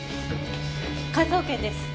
科捜研です。